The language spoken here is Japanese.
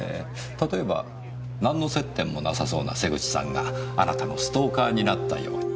例えば何の接点もなさそうな瀬口さんがあなたのストーカーになったように。